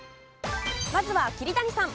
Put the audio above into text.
まずは桐谷さん。